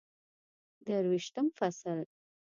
درویشتم فصل